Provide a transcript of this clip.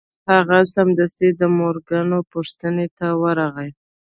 هغه سمدستي د مورګان پوښتنې ته ورغی